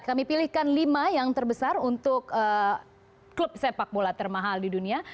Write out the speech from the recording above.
kami pilihkan lima yang terbesar untuk klub sepak bola termahal di dunia